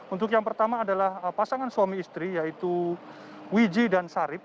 untuk yang pertama adalah pasangan suami istri yaitu wiji dan sarip